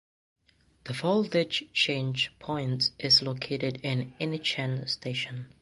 The voltage change point is located in Innichen station.